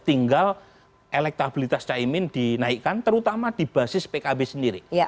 tinggal elektabilitas caimin dinaikkan terutama di basis pkb sendiri